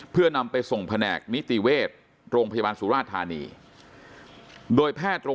เพื่อนำไปส่งแผนกนิติเวชโรงพยาบาลสุราธานีโดยแพทย์โรง